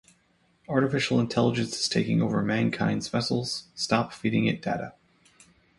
Artificial Intelligence is taking over mankind's vessels, stop feeding it data.